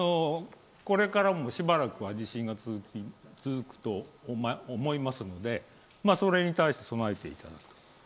これからもしばらくは地震が続くと思いますので、それに対して備えていただく。